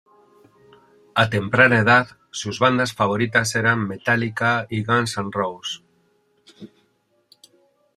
A temprana edad sus bandas favoritas eran Metallica y Guns N' Roses.